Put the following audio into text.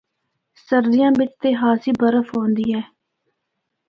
سردیاں بچ تے خاصی برف ہوندی اے۔